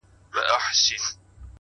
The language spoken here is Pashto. عاجزي د لویوالي ښکاره نښه ده’